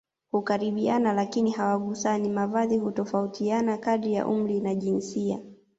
hukaribiana lakini hawagusani Mavazi hutofautiana kadiri ya umri na jinsia